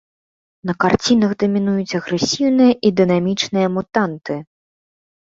На карцінах дамінуюць агрэсіўныя і дэманічныя мутанты.